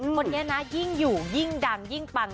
คนนี้นะยิ่งอยู่ยิ่งดังยิ่งปัง